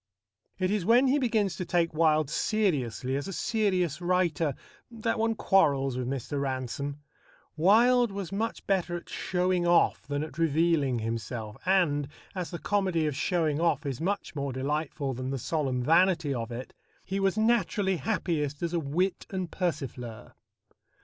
It is when he begins to take Wilde seriously as a serious writer that one quarrels with Mr. Ransome. Wilde was much better at showing off than at revealing himself, and, as the comedy of showing off is much more delightful than the solemn vanity of it, he was naturally happiest as a wit and persifleur.